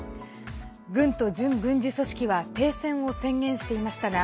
軍と準軍事組織は停戦を宣言していましたが